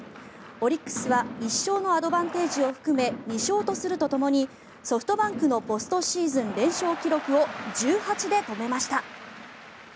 オリックスは１勝のアドバンテージを含め２勝とするとともにソフトバンクのポストシーズン連勝記録を１８で止めました。